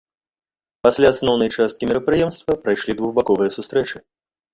Пасля асноўнай часткі мерапрыемства прайшлі двухбаковыя сустрэчы.